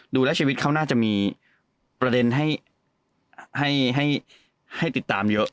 ดูแล้วชีวิตเขาน่าจะมีประเด็นให้ติดตามเยอะ